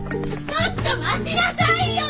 ちょっと待ちなさいよ！